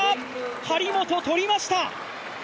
張本、取りました！